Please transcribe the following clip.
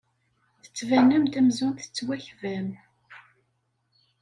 Tettbanem-d amzun tettwakbam.